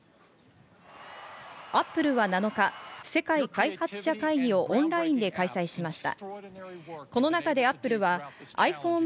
Ａｐｐｌｅは７日、世界開発者会議をオンラインで開催しました。